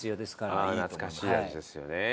懐かしい味ですよね。